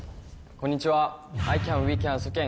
こんにちは。